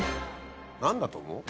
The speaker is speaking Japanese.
何だと思う？